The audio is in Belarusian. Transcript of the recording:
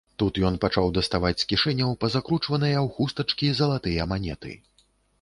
Тут ён пачаў даставаць з кішэняў пазакручваныя ў хустачкі залатыя манеты.